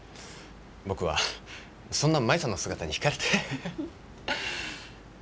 僕はそんな舞さんの姿に引かれて。